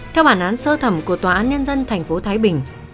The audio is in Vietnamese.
theo bản án sơ thẩm của tòa án nhân dân tp thái bình